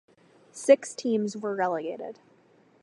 Six teams were relegated.